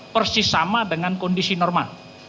persis sama dengan kondisi normal